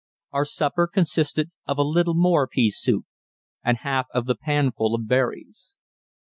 Our supper consisted of a little more pea soup and half of the panful of berries.